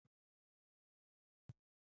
څه وکړو، چرته لاړ شو؟